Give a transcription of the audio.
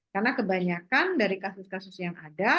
karena kebanyakan dari kasus kasus yang ada